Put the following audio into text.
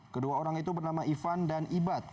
kedua orang itu bernama ivan dan ibad